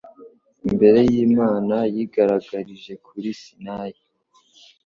imbere y’Imana yigaragarije kuri Sinayi